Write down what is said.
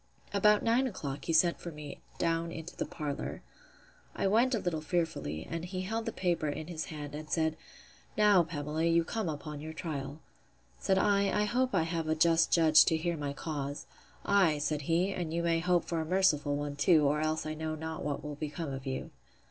About nine o'clock he sent for me down into the parlour. I went a little fearfully; and he held the paper in his hand, and said, Now, Pamela, you come upon your trial. Said I, I hope I have a just judge to hear my cause. Ay, said he, and you may hope for a merciful one too, or else I know not what will become of you.